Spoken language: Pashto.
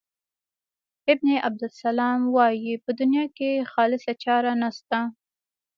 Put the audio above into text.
ابن عبدالسلام وايي په دنیا کې خالصه چاره نشته.